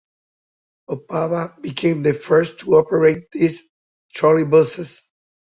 Opava became the first to operate these trolleybuses.